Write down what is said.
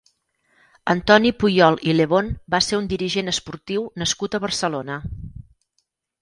Antoni Puyol i Lebón va ser un dirigent esportiu nascut a Barcelona.